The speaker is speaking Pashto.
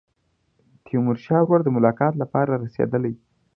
تیمورشاه ورور د ملاقات لپاره رسېدلی.